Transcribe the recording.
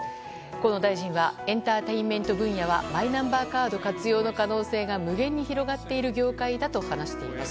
河野大臣はエンターテインメント分野はマイナンバーカード活用の可能性が無限に広がっている業界だと話しています。